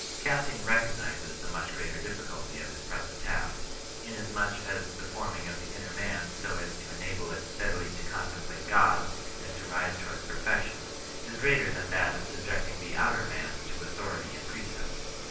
Cassian recognises 1 the much greater difficulty of his present task, inasmuch as the forming of the inner man so as to enable it steadily to contemplate God and to rise towards perfection is greater than that of subjecting the outer man to authority and precept.